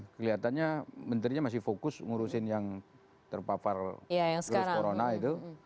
kelihatannya menterinya masih fokus ngurusin yang terpapar virus corona itu